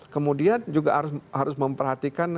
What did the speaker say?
kemudian juga harus memperhatikan